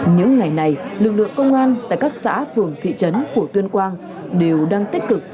những ngày này lực lượng công an tại các xã phường thị trấn của tuyên quang đều đang tích cực